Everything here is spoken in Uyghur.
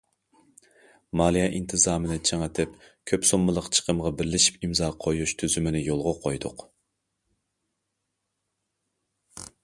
مالىيە ئىنتىزامىنى چىڭىتىپ، كۆپ سوممىلىق چىقىمغا بىرلىشىپ ئىمزا قويۇش تۈزۈمىنى يولغا قويدۇق.